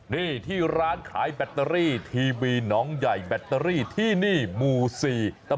นี่ที่ร้านขายแบตเตอรี่ทีวีหนองใหญ่แบตเตอรี่ที่นี่หมู่๔